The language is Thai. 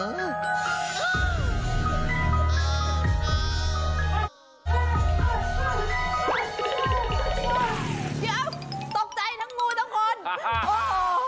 เยี่ยมตกใจทั้งงูทั้งงู